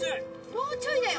もうちょいだよ